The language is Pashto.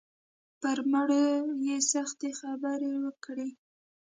پر مړو یې سختې خبرې وکړې.